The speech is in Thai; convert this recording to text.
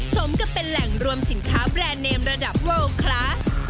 สมกับเป็นแหล่งรวมสินค้าแบรนด์เนมระดับเวิลคลาส